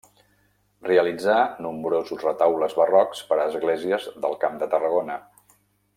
Realitzà nombrosos retaules barrocs per a esglésies del Camp de Tarragona.